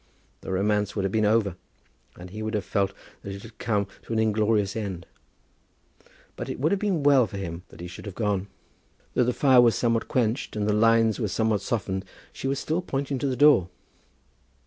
The romance would have been over, and he would have felt that it had come to an inglorious end; but it would have been well for him that he should have gone. Though the fire was somewhat quenched and the lines were somewhat softened, she was still pointing to the door.